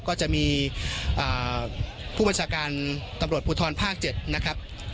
ก็จะมีผู้บัญชาการตำรวจภูทรภาค๗นะครับ